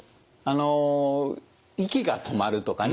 息が止まるとかね